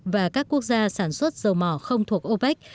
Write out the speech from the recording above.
và các quốc gia sản xuất dầu mỏ không thuộc opec